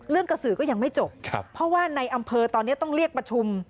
กระสือก็ยังไม่จบเพราะว่าในอำเภอตอนนี้ต้องเรียกประชุม